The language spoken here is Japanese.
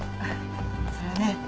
それはね